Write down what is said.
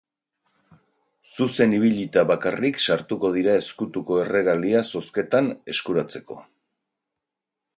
Zuzen ibilita bakarrik sartuko dira ezkutuko erregalia zozketan eskuratzeko.